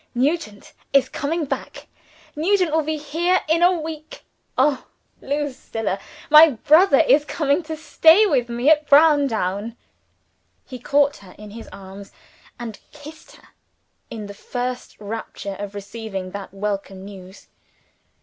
"Nugent is coming back! Nugent will be here in a week! Oh, Lucilla! my brother is coming to stay with me at Browndown!" He caught her in his arms, and kissed her, in the first rapture of receiving that welcome news.